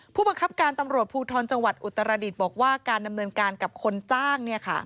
ผู้บังคับการตำรวจภูทรจังหวัดอุตรดิษฐ์บอกว่าการดำเนินการกับคนจ้าง